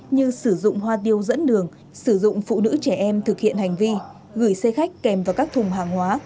như sử dụng hoa tiêu dẫn đường sử dụng phụ nữ trẻ em thực hiện hành vi gửi xe khách kèm vào các thùng hàng hóa